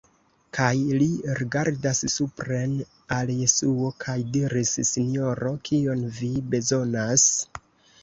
Kaj li rigardas supren al Jesuo kaj diris: "Sinjoro, kion vi bezonas?"